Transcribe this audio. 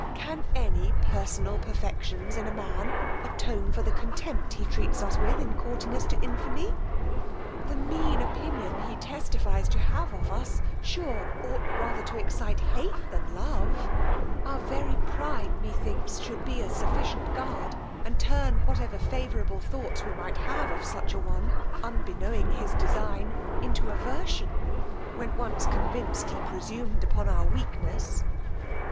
Can any personal perfections in a man attone for the contempt he treats us with in courting us to infamy! the mean opinion he testifies to have of us sure ought rather to excite hate than love; our very pride, methinks, should be a sufficient guard, and turn whatever favourable thoughts we might have of such a one, unknowing his design, into aversion, when once convinced he presumed upon our weakness.